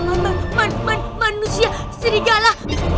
aman aman manusia serigala